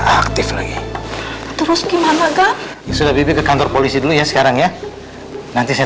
aktif lagi terus gimana kah yang sudah bibit ke kantor polisi dulu ya sekarang ya nanti saya